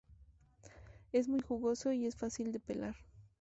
Es muy jugoso y es fácil de pelar.